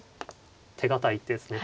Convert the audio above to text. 手堅い一手ですね。